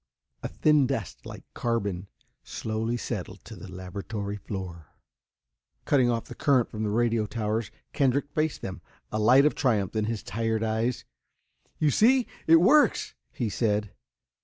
A thin dust, like carbon, slowly settled to the laboratory floor. Cutting off the current from the radio towers, Kendrick faced them, a light of triumph in his tired eyes. "You see it works," he said.